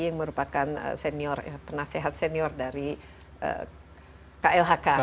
yang merupakan senior penasehat senior dari klhk